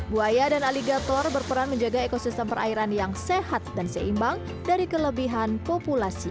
buaya dan aligator berperan menjaga ekosistem perairan yang sehat dan seimbang dari kelebihan populasi